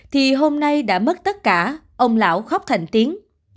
thì hôm nay đã mất tất cả ông lão khóc thành tiến